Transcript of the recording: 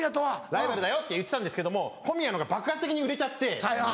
ライバルだよって言ってたんですけども小宮のほうが爆発的に売れちゃって。